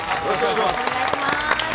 よろしくお願いします。